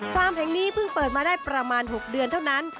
แห่งนี้เพิ่งเปิดมาได้ประมาณ๖เดือนเท่านั้น